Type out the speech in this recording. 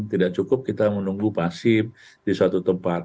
tidak cukup kita menunggu pasif di suatu tempat